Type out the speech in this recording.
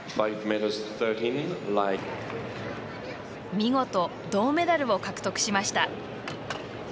見事、銅メダルを獲得しました。